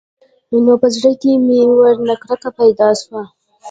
نو په زړه کښې مې ورنه کرکه پيدا سوه.